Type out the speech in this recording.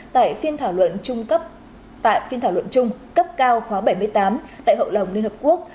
tại phiên thảo luận trung cấp cao khóa bảy mươi tám tại hậu lồng liên hợp quốc